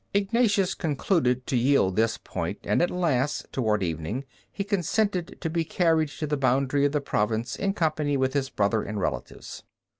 Ignatius concluded to yield this point, and at last, toward evening, he consented to be carried to the boundary of the province in company with his brother and relatives.